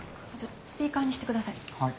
スピーカーにしてください。